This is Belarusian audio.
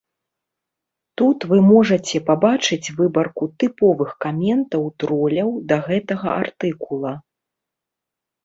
Тут вы можаце пабачыць выбарку тыповых каментаў троляў да гэтага артыкула.